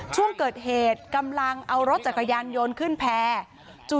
ช่วงเกิดเหตุกำลังเอารถจักรยานยนต์ขึ้นแพร่